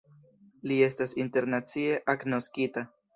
Li estas internacie agnoskita.